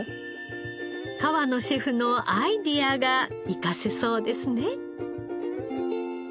河野シェフのアイデアが生かせそうですね。